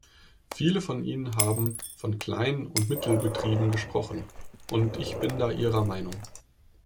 Viele von Ihnen haben von Klein- und Mittelbetrieben gesprochen, und ich bin da Ihrer Meinung.